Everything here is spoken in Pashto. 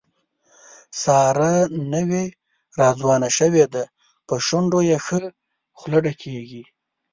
ساره نوې راځوانه شوې ده، په شونډو یې ښه خوله ډکېږي.